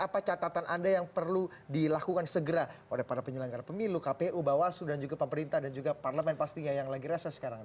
apa catatan anda yang perlu dilakukan segera oleh para penyelenggara pemilu kpu bawaslu dan juga pemerintah dan juga parlemen pastinya yang lagi rasa sekarang